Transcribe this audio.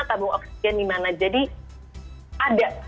tabung oksigen di mana jadi ada